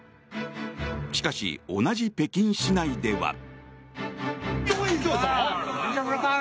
しかし、同じ北京市内では。